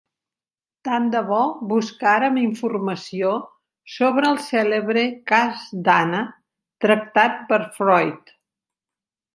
Tant de bo buscàrem informació sobre el cèlebre cas d'Anna, tractat per Freud!